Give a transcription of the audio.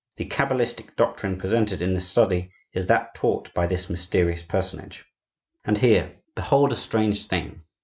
The cabalistic doctrine presented in this Study is that taught by this mysterious personage. And here, behold a strange thing!